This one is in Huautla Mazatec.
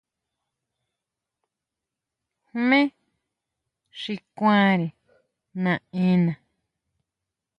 ¿Jmé xi kuanre naʼena?